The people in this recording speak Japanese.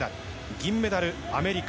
銀メダル、アメリカ。